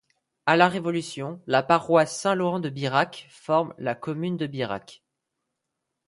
À la Révolution, la paroisse Saint-Laurent de Birac forme la commune de Birac.